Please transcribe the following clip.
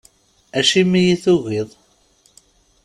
Acimi i tugiḍ?